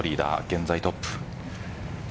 現在トップ。